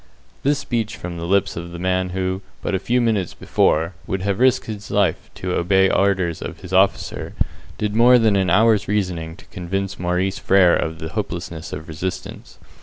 This speech from the lips of a man who, but a few minutes before, would have risked his life to obey orders of his officer, did more than an hour's reasoning to convince Maurice Frere of the hopelessness of resistance.